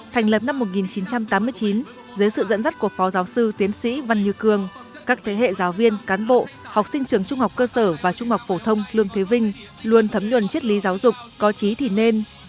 thành lập năm một nghìn chín trăm tám mươi chín dưới sự dẫn dắt của phó giáo sư tiến sĩ văn như cương các thế hệ giáo viên cán bộ học sinh trường trung học cơ sở và trung học phổ thông lương thế vinh luôn thấm nhuần chất lý giáo dục có trí thì nên